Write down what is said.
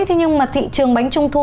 thế nhưng mà thị trường bánh trung thu